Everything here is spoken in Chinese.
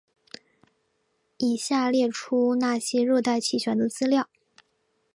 以下列出那些热带气旋的资料。